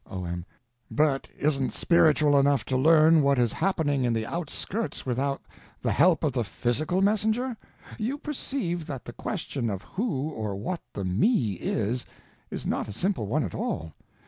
O.M. But isn't spiritual enough to learn what is happening in the outskirts without the help of the _physical _messenger? You perceive that the question of who or what the Me is, is not a simple one at all.